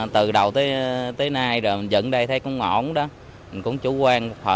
từ đầu tới nay rồi mình dựng đây thấy cũng ổn đó mình cũng chủ quan một phần